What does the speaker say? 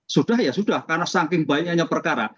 sudah ya sudah karena saking banyaknya perkara